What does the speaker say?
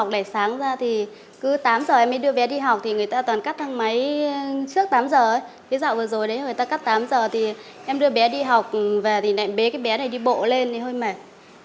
cái dạo vừa rồi người ta cắt tám giờ thì em đưa bé đi học và bé này đi bộ lên thì hơi mệt